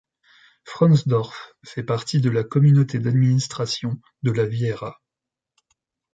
Frohnsdorf fait partie de la Communauté d'administration de la Wiera.